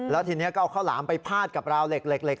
แล้วทีนี้ก็เอาข้าวหลามไปพาดกับราวเหล็ก